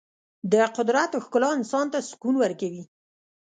د قدرت ښکلا انسان ته سکون ورکوي.